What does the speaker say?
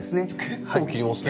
結構切りますね。